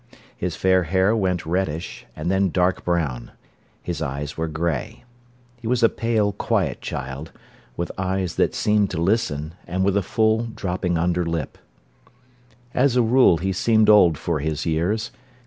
His fair hair went reddish, and then dark brown; his eyes were grey. He was a pale, quiet child, with eyes that seemed to listen, and with a full, dropping underlip. As a rule he seemed old for his years.